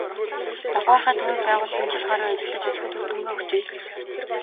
"Багваахай" төвийг байгуулан жил гаруй ажиллаж үзэхэд үр дүнгээ өгчээ.